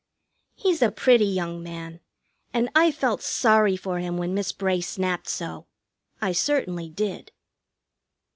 He's a pretty young man, and I felt sorry for him when Miss Bray snapped so. I certainly did.